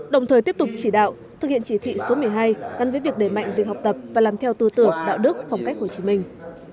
đồng thời tiếp tục chỉ đạo thực hiện chỉ thị số một mươi hai gắn với việc đề mạnh việc học tập và làm theo tư tưởng đạo đức phong cách hồ chí minh